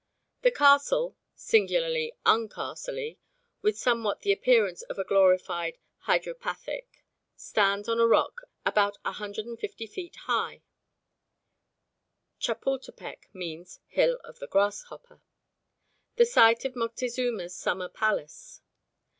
The castle singularly un castle y with somewhat the appearance of a glorified hydropathic, stands on a rock about 150 feet high (Chapultepec means "hill of the grasshopper"), the site of Moctezuma's summer palace.